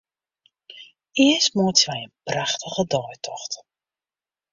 Earst meitsje wy in prachtige deitocht.